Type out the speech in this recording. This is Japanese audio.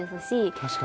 確かに。